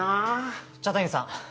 茶谷さん